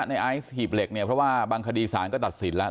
ในไอซ์หีบเหล็กเนี่ยเพราะว่าบางคดีสารก็ตัดสินแล้ว